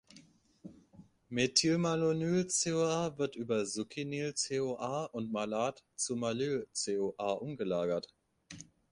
Methylmalonyl-CoA wird über Succinyl-CoA und -Malat zu -Malyl-CoA umgelagert.